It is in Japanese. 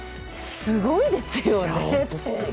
すごいですよね。